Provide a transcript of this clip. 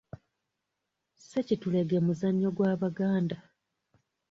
Ssekitulege muzannyo gw’Abaganda.